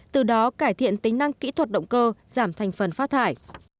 từ đó cải thiện tính năng kỹ thuật động cơ giảm thành phần phát thải